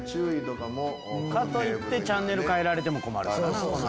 かといってチャンネル替えられても困るからな。